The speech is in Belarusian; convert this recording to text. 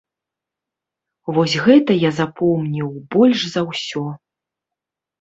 Вось гэта я запомніў больш за ўсё.